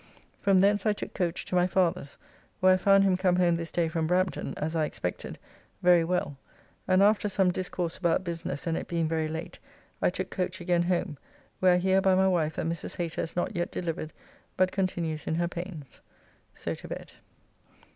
From thence I took coach to my father's, where I found him come home this day from Brampton (as I expected) very well, and after some discourse about business and it being very late I took coach again home, where I hear by my wife that Mrs. Hater is not yet delivered, but continues in her pains. So to bed.